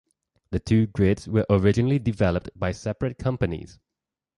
The two grids were originally developed by separate companies.